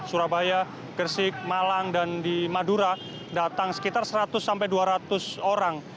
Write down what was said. surabaya gersik malang dan di madura datang sekitar seratus sampai dua ratus orang